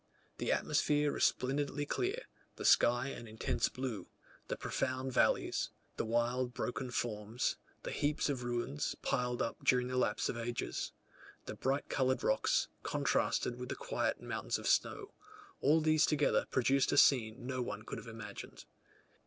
The atmosphere resplendently clear; the sky an intense blue; the profound valleys; the wild broken forms: the heaps of ruins, piled up during the lapse of ages; the bright coloured rocks, contrasted with the quiet mountains of snow, all these together produced a scene no one could have imagined.